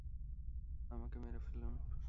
আমাকে মেরে ফেলুন।